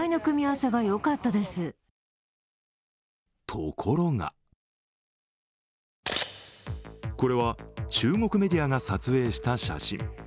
ところがこれは中国メディアが撮影した写真。